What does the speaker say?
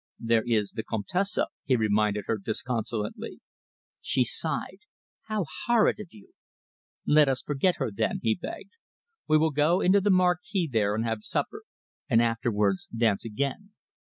"There is the Comtesse," he reminded her disconsolately. She sighed. "How horrid of you!" "Let us forget her, then," he begged. "We will go into the marquee there and have supper, and afterwards dance again.